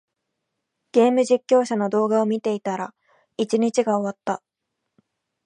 ゲーム実況者の動画を見ていたら、一日が終わった。